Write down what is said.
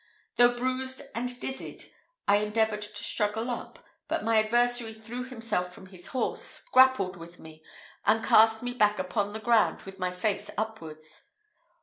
Though bruised and dizzied, I endeavoured to struggle up; but my adversary threw himself from his horse, grappled with me, and cast me back upon the ground with my face upwards.